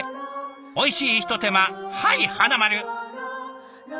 おいしいひと手間はい花丸！